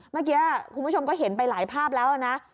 เมื่อกี้คุณผู้ชมก็เห็นไปหลายภาพแล้วนะ